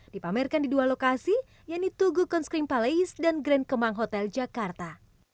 dipamerkan di dua lokasi yang dituguhkan scream palace dan grand kemang hotel jakarta